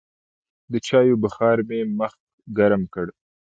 د چايو بخار مې مخ ګرم کړ.